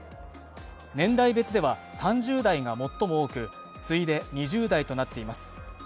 年代別では３０代が最も多く次いで２０代となっています。